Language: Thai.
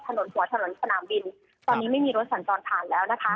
ถนนหัวถนนสนามบินตอนนี้ไม่มีรถสัญจรผ่านแล้วนะคะ